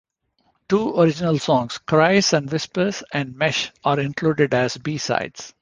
Two original songs, "Cries and Whispers" and "Mesh" are included as B-sides.